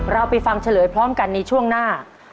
เราไปฟังเฉลยพร้อมกันในช่วงหน้า